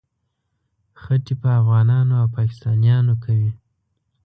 خټې په افغانانو او پاکستانیانو کوي.